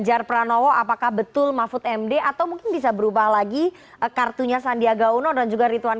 apakah betul pdi perjuangan akan mengumumkan